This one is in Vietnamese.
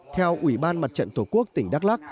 theo ủy ban mặt trận tổ quốc tỉnh đắk lắc